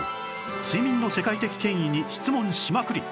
睡眠の世界的権威に質問しまくり